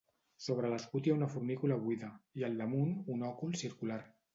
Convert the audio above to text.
Sobre l'escut hi ha una fornícula buida, i al damunt, un òcul circular.